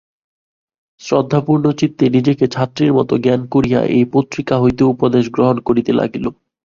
শ্রদ্ধাপূর্ণ চিত্তে নিজেকে ছাত্রীর মতো জ্ঞান করিয়া এই পত্রিকা হইতে উপদেশ গ্রহণ করিতে লাগিল।